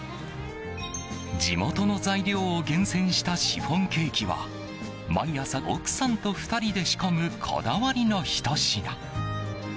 地元の材料を厳選したシフォンケーキは毎朝、奥さんと２人で仕込むこだわりのひと品。